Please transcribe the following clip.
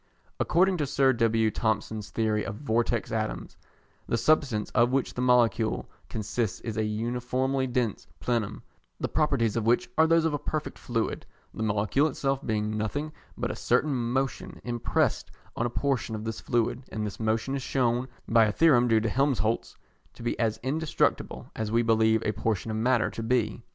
According to Sir W. Thomson's theory of Vortex Atoms, the substance of which the molecule consists is a uniformly dense plenum, the properties of which are those of a perfect fluid, the molecule itself being nothing but a certain motion impressed on a portion of this fluid, and this motion is shewn, by a theorem due to Helmholtz, to be as indestructible as we believe a portion of matter to be.